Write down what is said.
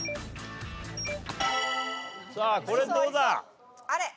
さあこれどうだ？